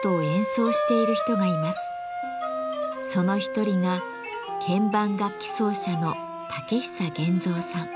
その一人が鍵盤楽器奏者の武久源造さん。